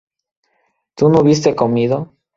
¿tú no hubiste comido?